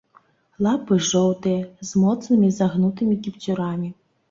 Лапы жоўтыя, з моцнымі загнутымі кіпцюрамі.